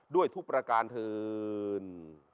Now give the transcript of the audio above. ด้วยทุกประการเถิน